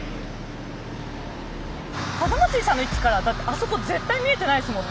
風祭さんの位置からだってあそこ絶対見えてないですもんね